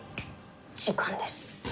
時間です。